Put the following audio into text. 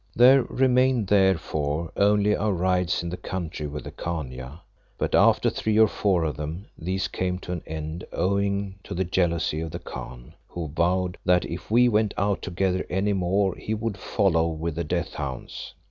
There remained, therefore, only our rides in the country with the Khania, but after three or four of them, these came to an end owing to the jealousy of the Khan, who vowed that if we went out together any more he would follow with the death hounds.